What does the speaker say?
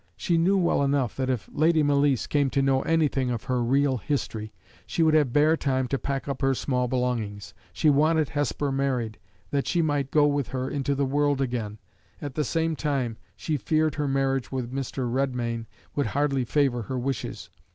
She knew well enough that, if Lady Malice came to know anything of her real history, she would have bare time to pack up her small belongings. She wanted Hesper married, that she might go with her into the world again; at the same time, she feared her marriage with Mr. Redmain would hardly favor her wishes.